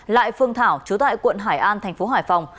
lại phương thảo chú tại quận hải an thành phố hải phòng